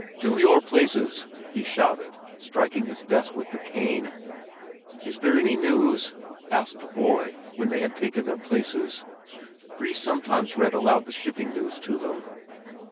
"To your places!" he shouted, striking his desk with the cane. "Is there any news?" asked a boy, when they had taken their places. Fris sometimes read aloud the Shipping News to them.